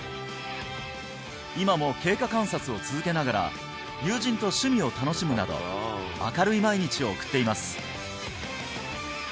今も経過観察を続けながら友人と趣味を楽しむなど明るい毎日を送っています